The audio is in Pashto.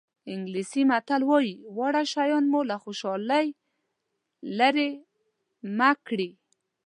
انګلیسي متل وایي واړه شیان مو له خوشحالۍ لرې مه کړي.